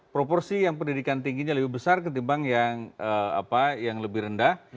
proporsi yang pendidikan tingginya lebih besar ketimbang yang lebih rendah